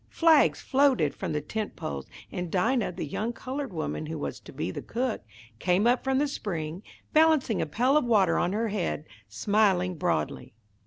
Flags floated from the tent poles, and Dinah, the young coloured woman who was to be the cook, came up from the spring, balancing a pail of water on her head, smiling broadly.